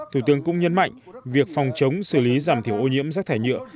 thủ tướng cũng nhấn mạnh việc phòng chống xử lý giảm thiểu ô nhiễm rác thải nhựa